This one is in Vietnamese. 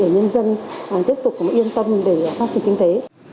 để nhân dân tiếp tục yên tâm để phát triển kinh tế